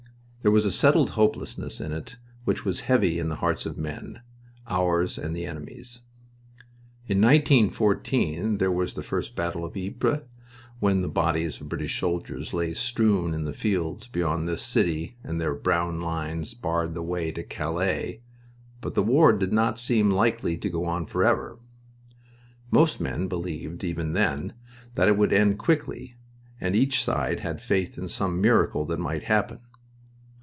There was a settled hopelessness in it which was heavy in the hearts of men ours and the enemy's. In 1914 there was the first battle of Ypres, when the bodies of British soldiers lay strewn in the fields beyond this city and their brown lines barred the way to Calais, but the war did not seem likely to go on forever. Most men believed, even then, that it would end quickly, and each side had faith in some miracle that might happen.